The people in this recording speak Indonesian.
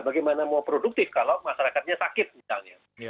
bagaimana mau produktif kalau masyarakatnya sakit misalnya